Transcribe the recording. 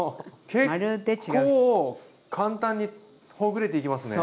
結構簡単にほぐれていきますね。